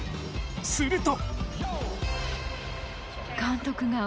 すると。